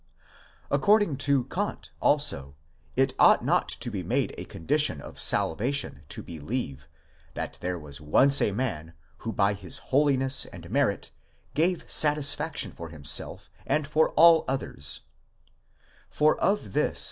According to Kant, also, it ought not to be made a condition of salva tion to believe, that there was once a man who by his holiness and merit gave satisfaction for himself and for all others; for of this the reason tells us 1 Thus Schmid, ut sup.